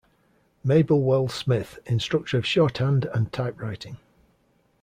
Mabel Wells-Smith, Instructor of Shorthand and Type Writing.